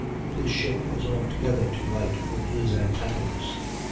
His ship was altogether too light for his antagonist.